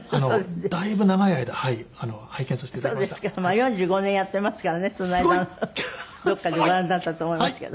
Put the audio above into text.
４５年やってますからねその間のどこかでご覧になったと思いますけど。